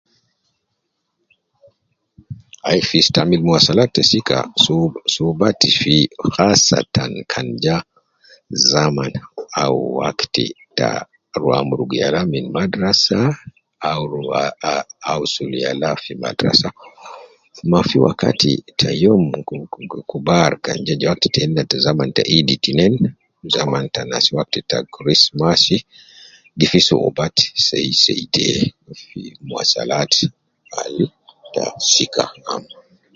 Ai fi stamil muwasalat te sika, so sowbat fi khasattan kan ja zaman au wakti ta rua amurugu yala min madrasa au rua ah au sulu yala gi madrasa ,ma fi wakati ta youm kubar, kan ja ja wakti tena ta zaman ta Idd tinen, zaman ta nas wakti ta Christmasi, gi fi sowbat sei sei de fi muwasalat al ta sika am